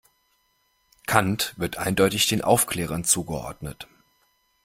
Kant wird eindeutig den Aufklärern zugeordnet.